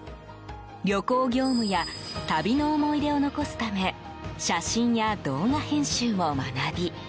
旅行業務や旅の思い出を残すため写真や動画編集も学び